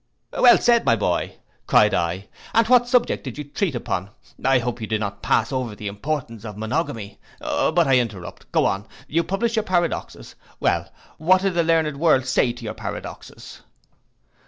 'Well said, my boy,' cried I, 'and what subject did you treat upon? I hope you did not pass over the importance of Monogamy. But I interrupt, go on; you published your paradoxes; well, and what did the learned world say to your paradoxes?